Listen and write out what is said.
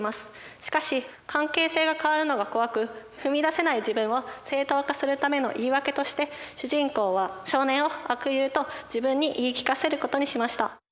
しかし関係性が変わるのが怖く踏み出せない自分を正当化するための言い訳として主人公は少年を「悪友」と自分に言い聞かせることにしました。